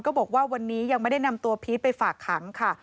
บอกว่าวันนี้ยังไม่ได้นำตัวพีชไปฝากขังค่ะ